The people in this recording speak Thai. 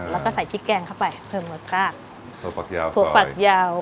แล้วก็ใส่พริกแกงเข้าไปเพิ่มรสชาติถั่วฝักยาวถั่วฝักยาว